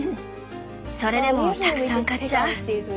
それでもたくさん買っちゃう。